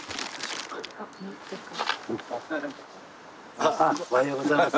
ああおはようございます。